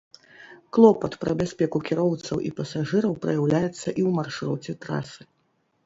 Клопат пра бяспеку кіроўцаў і пасажыраў праяўляецца і ў маршруце трасы.